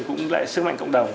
cũng lại sức mạnh cộng đồng